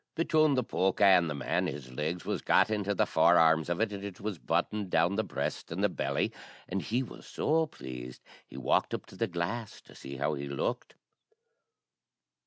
Betune the pooka and the man, his legs was got into the four arms of it, and it was buttoned down the breast and the belly, and he was so pleazed he walked up to the glass to see how he looked.